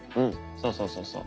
そうそうそうそう。